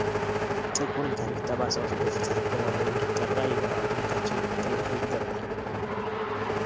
ጥቁር የታሪክ ጠባሳዎች በፍትሕ አደባባይ እንዲጠራ የጋራ አንድነታችንን ማጠናከር ይገባል